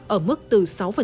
ở mức từ sáu